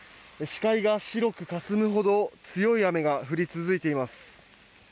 視界が白くかすむほど強い雨が降り続いています。